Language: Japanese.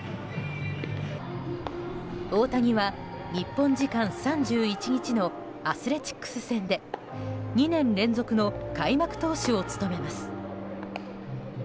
大谷は日本時間３１日のアスレチックス戦で２年連続の開幕投手を務めます。